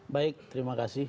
baik terima kasih